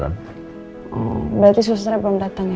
berarti selesai belum datang ya